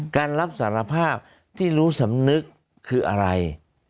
การรับสารภาพที่รู้สำนึกคืออะไร